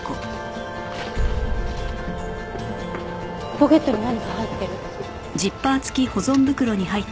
ポケットに何か入ってる。